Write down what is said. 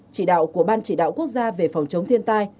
chỉ đạo của ban chỉ đạo quốc gia về phòng chống thiên tai